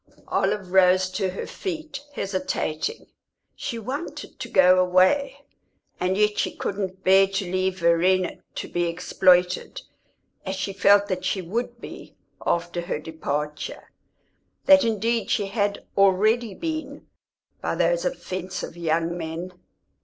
Olive rose to her feet, hesitating; she wanted to go away, and yet she couldn't bear to leave Verena to be exploited, as she felt that she would be after her departure, that indeed she had already been, by those offensive young men.